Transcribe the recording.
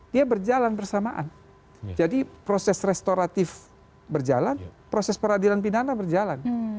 dia berjalan bersamaan jadi proses restoratif berjalan proses peradilan pidana berjalan